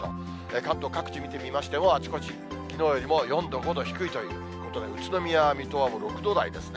関東各地見てみましても、あちこち、きのうよりも４度、５度低いということで、宇都宮や水戸は６度台ですね。